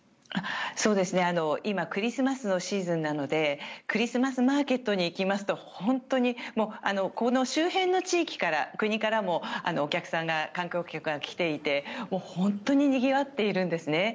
今クリスマスのシーズンなのでクリスマスマーケットに行きますと、本当にこの周辺の地域、国からもお客さん、観光客が来ていて本当ににぎわっているんですね。